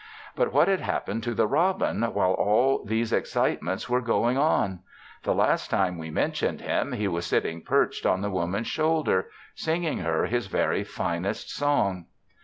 But what had happened to the robin while all these excitements were going on? The last time we mentioned him he was sitting perched on the Woman's shoulder, singing her his very finest song.